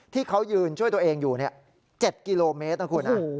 ที่เขายืนช่วยตัวเองอยู่๗กิโลเมตรนะคุณ